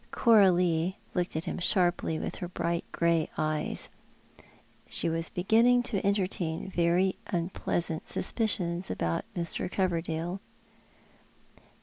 Coralie looked at him sharply with her bright grey eyes. She was beginning to entertain very unpleasant suspicions about Mr. Coverdale.